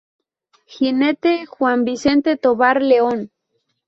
Jinete:Juan Vicente Tovar León.